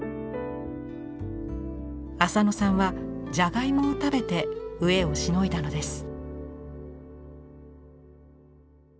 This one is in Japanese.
浅野さんはじゃがいもを食べて飢えをしのいだのです。